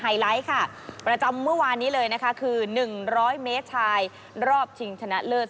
ไลท์ค่ะประจำเมื่อวานนี้เลยนะคะคือ๑๐๐เมตรชายรอบชิงชนะเลิศ